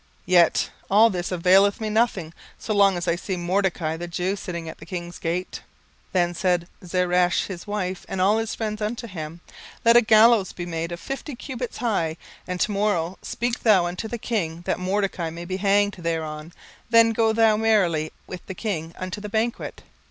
17:005:013 Yet all this availeth me nothing, so long as I see Mordecai the Jew sitting at the king's gate. 17:005:014 Then said Zeresh his wife and all his friends unto him, Let a gallows be made of fifty cubits high, and to morrow speak thou unto the king that Mordecai may be hanged thereon: then go thou in merrily with the king unto the banquet.